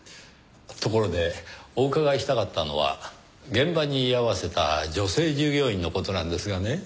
ところでお伺いしたかったのは現場に居合わせた女性従業員の事なんですがね。